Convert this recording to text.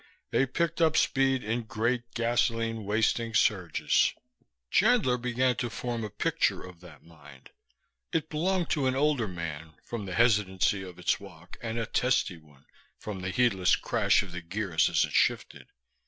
They picked up speed in great, gasoline wasting surges. Chandler began to form a picture of that mind. It belonged to an older man, from the hesitancy of its walk, and a testy one, from the heedless crash of the gears as it shifted.